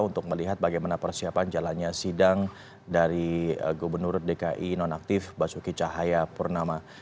untuk melihat bagaimana persiapan jalannya sidang dari gubernur dki nonaktif basuki cahaya purnama